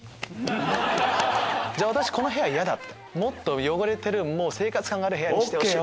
じゃあ「私この部屋嫌だもっと汚れてる生活感がある部屋にしてほしい」。